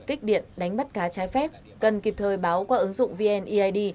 kích điện đánh bắt cá trái phép cần kịp thời báo qua ứng dụng vneid